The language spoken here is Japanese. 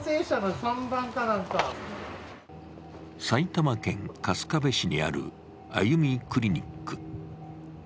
埼玉県春日部市にある、あゆみクリニック。